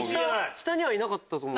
下にはいなかったと思う。